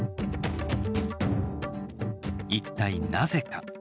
一体なぜか。